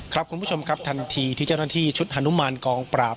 คุณผู้ชมครับทันทีที่เจ้าหน้าที่ชุดฮานุมานกองปราบ